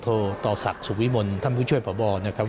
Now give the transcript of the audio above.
โทรต่าศัทร์สุฒิมนธรรมกำรวชช่วยพ่อบอบ